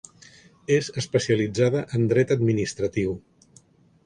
És especialitzada en dret administratiu.